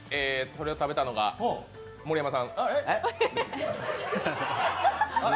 それを食べたのが盛山さん。